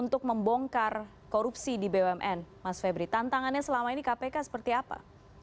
untuk membongkar korupsi di bumn mas febri tantangannya selama ini kpk seperti apa